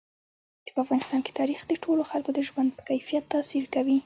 په افغانستان کې تاریخ د ټولو خلکو د ژوند په کیفیت تاثیر کوي.